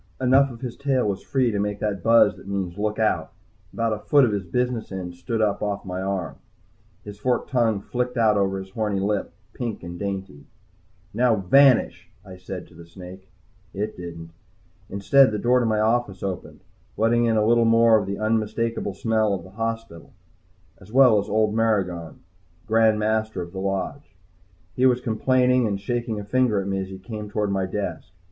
Enough of his tail was free to make that buzz that means "Look out!" About a foot of his business end stood up off my arm. His forked tongue flicked out over his horny lip, pink and dainty. "Now, vanish!" I said to the snake. It didn't. Instead the door to my office opened, letting in a little more of the unmistakable smell of the hospital, as well as old Maragon, Grand Master of the Lodge. He was complaining and shaking a finger at me as he came toward my desk.